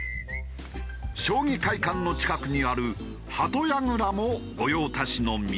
将棋会館の近くにある鳩やぐらも御用達の店。